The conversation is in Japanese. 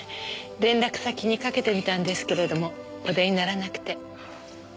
連絡先にかけてみたんですけれどもお出にならなくて。